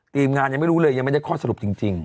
ทีมงานยังไม่รู้เลยยังไม่ได้ข้อสรุปจริง